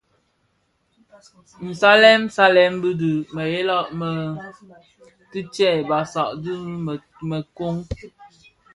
Nsalèn salèn dhi mëghèla më bitè, basag dhi měkoň,